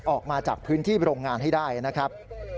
ออกมาจากพื้นที่โรงงานให้ได้นะครับ